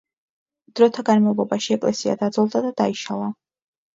დროთა განმავლობაში ეკლესია დაძველდა და დაიშალა.